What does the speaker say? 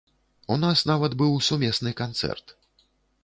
У нас нават быў сумесны канцэрт.